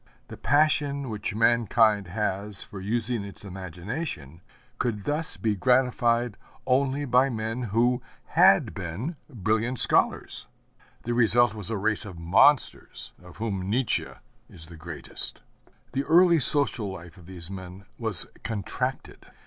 The passion which mankind has for using its imagination could thus be gratified only by men who had been brilliant scholars. The result was a race of monsters, of whom Nietzsche is the greatest. The early social life of these men was contracted.